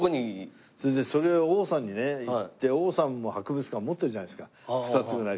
それでそれを王さんに言って王さんも博物館持ってるじゃないですか２つぐらい。